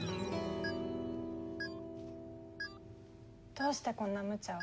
どうしてこんなむちゃを？